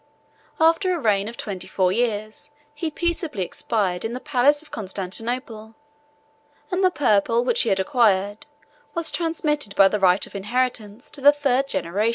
After a reign of twenty four years, he peaceably expired in the palace of Constantinople; and the purple which he had acquired was transmitted by the right of inheritance to the third generation.